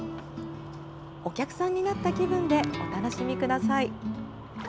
お客さんになった気分でお楽しみください。